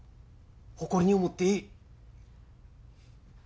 誇りに思っていい。